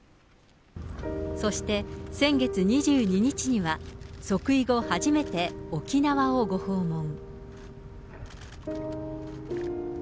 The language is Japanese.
そして、先月２２日には、即位後初めて沖縄をご訪問。